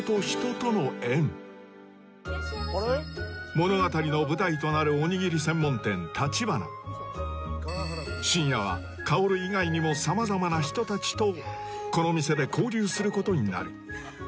物語の舞台となる信也は香以外にも様々な人たちとこの店で交流することになる